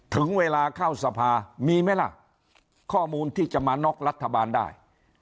ถึงเวลาเข้าสภามีไหมล่ะข้อมูลที่จะมาน็อกรัฐบาลได้